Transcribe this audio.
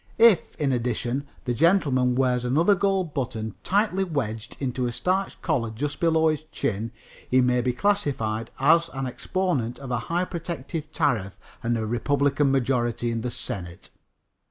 If, in addition, the gentleman wears another gold button tightly wedged into a starched collar just below his chin he may be classified as an exponent of a high protective tariff and a Republican majority in the Senate.